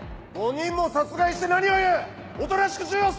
５人も殺害して何を言う！